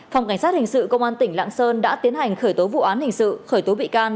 phòng cảnh sát hình sự công an tỉnh lạng sơn đã tiến hành khởi tố vụ án hình sự khởi tố bị can